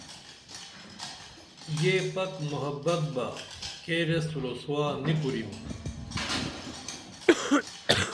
یہ پک محبت بہ کیر ایس رسوا نی کُریم